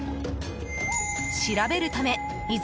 調べるためいざ